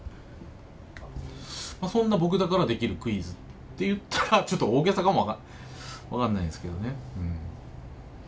まあそんな僕だからできるクイズっていったらちょっと大げさかも分かんないですけどねうん。